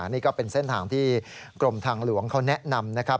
นี่ก็เป็นเส้นทางที่กรมทางหลวงเขาแนะนำนะครับ